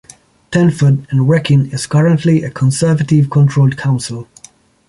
Telford and Wrekin is currently a Conservative controlled council.